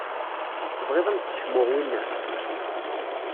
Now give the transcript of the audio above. Tebɣiḍ ad m-d-sseḥmuɣ winna?